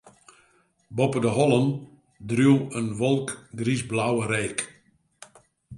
Boppe de hollen dreau in wolk griisblauwe reek.